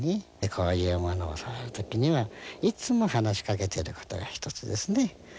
こういうものを触るときにはいつも話しかけてることが一つですね。